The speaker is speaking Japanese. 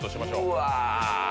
うわ！